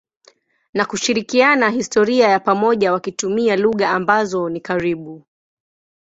na kushirikiana historia ya pamoja wakitumia lugha ambazo ni karibu.